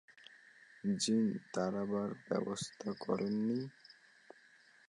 জিন তাড়াবার ব্যবস্থা করেন নি?